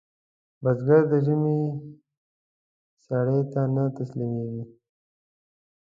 بزګر د ژمي سړې ته نه تسلېږي